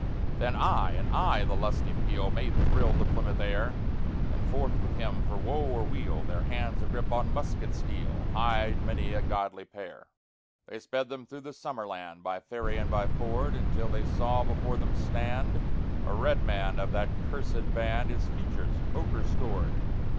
_ Then I! and I! the lusty peal Made thrill the Plymouth air; And forth with him for woe or weal, Their hands agrip on musket steel, Hied many a godly pair. They sped them through the summer land By ferry and by ford, Until they saw before them stand A redman of that cursèd band, His features ochre scored.